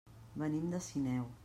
Venim de Sineu.